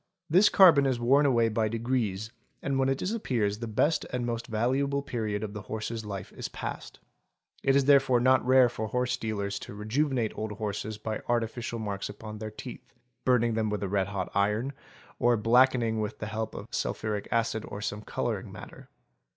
This carbon is worn away by degrees and when it disappears the best and most valuable period of the horse's life is passed. It is therefore not rare for horse dealers to rejuvenate old horses by artificial marks upon their teeth, burning them with a red hot iron, or blackening with the help of sulphuric acid or some colouring matter.